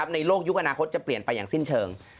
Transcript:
ในโลกยุคอนาคตจะเปลี่ยนไปอย่างสิ้นเชิง